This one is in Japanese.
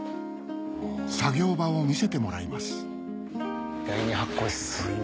作業場を見せてもらいます